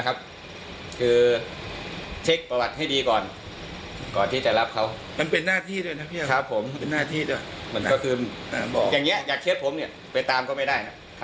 อย่างเนี้ยอย่าเคเสชผมเนี่ยไปตามก็ไม่ได้ครับ